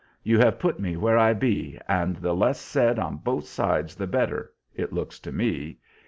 You have put me where I be, and the less said on both sides the better, it looks to me.